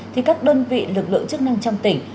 thì các đơn vị lực lượng chức năng trong tỉnh